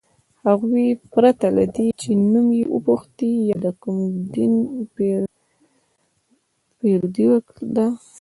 هغوی پرته له دې چي نوم یې وپوښتي یا د کوم دین پیروۍ ده